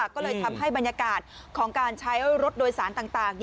ก็เลยทำให้บรรยากาศของการใช้รถโดยสารต่าง